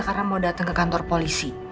karena mau dateng ke kantor polisi